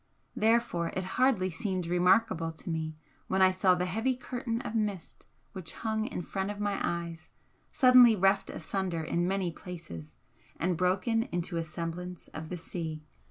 Therefore it hardly seemed remarkable to me when I saw the heavy curtain of mist which hung in front of my eyes suddenly reft asunder in many places and broken into a semblance of the sea.